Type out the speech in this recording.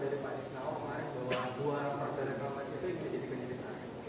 yang kedua ada kabar dari pak isnao kemarin bahwa dua rupanya itu menjadi penyelesaian